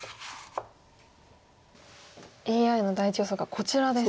ＡＩの第１予想がこちらです。